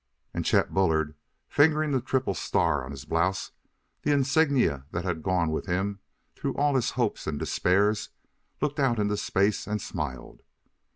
And Chet Bullard, fingering the triple star on his blouse the insignia that had gone with him through all his hopes and despairs looked out into space and smiled.